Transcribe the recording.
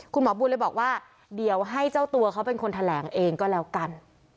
คุณหมอบุญเลยบอกว่าเดี๋ยวให้เจ้าตัวเขาเป็นคนแถลงเองก็แล้วกัน